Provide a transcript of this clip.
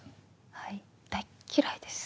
はい大嫌いです。